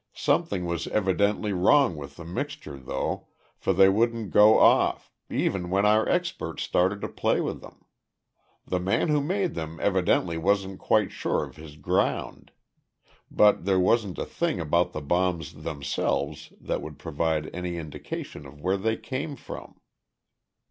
Something was evidently wrong with the mixture, though, for they wouldn't go off, even when our experts started to play with them. The man who made them evidently wasn't quite sure of his ground. But there wasn't a thing about the bombs themselves that would provide any indication of where they came from."